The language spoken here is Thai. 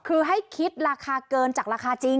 คือให้คิดราคาเกินจากราคาจริง